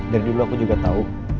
dari dulu aku juga tahu